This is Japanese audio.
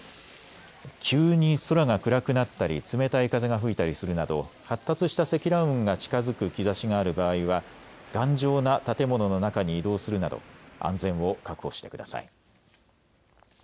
急に空が暗くなったり冷たい風が吹いたりするなど発達した積乱雲が近づく兆しがある場合は頑丈な建物の中に移動するなど安全を確保してください。